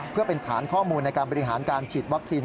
เพื่อเป็นฐานข้อมูลในการบริหารการฉีดวัคซีน